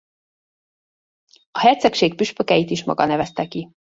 A hercegség püspökeit is maga nevezte ki.